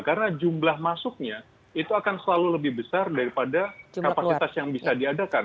karena jumlah masuknya itu akan selalu lebih besar daripada kapasitas yang bisa diadakan